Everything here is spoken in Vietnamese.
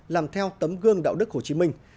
làm theo tấm gương đạo đức hồ chí minh